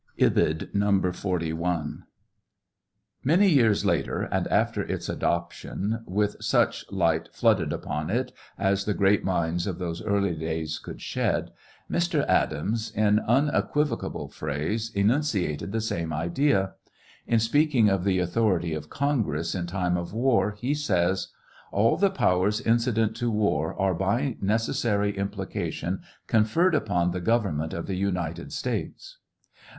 (Ibid No. 41.) TRIAL OP HENRy WIEZ. 725 Many years later, and after its adoption, with such light flooded upon it as the great minds of those early days could shed, Mr. Adams, in unequivocal phrase, enunciated the same ide.a. In speaking of the authority of Congress in time of war, he says : All the powers incident to war are, by necessary implication, conferred upon the govern raent of the United States.